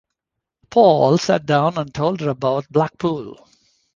Paul sat down and told her about Blackpool.